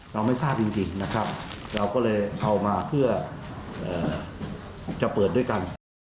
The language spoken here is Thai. เราไม่ทราบจริงนะครับเราก็เลยเอามาเพื่อจะเปิดด้วยกัน